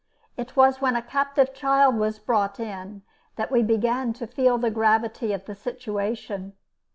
It was when a captive child was brought in that we began to feel the gravity of the situation.